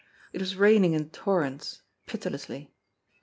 It was raining in torrents, pitilessly.